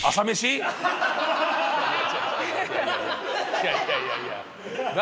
いやいやいやいや何？